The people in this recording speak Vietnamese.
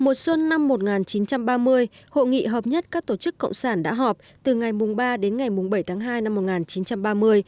mùa xuân năm một nghìn chín trăm ba mươi hội nghị hợp nhất các tổ chức cộng sản đã họp từ ngày ba đến ngày bảy tháng hai năm một nghìn chín trăm ba mươi